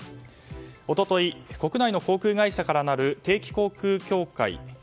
一昨日、国内の航空会社からなる定期航空協会